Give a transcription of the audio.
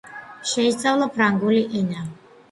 შეისწავლა ფრანგული ენა.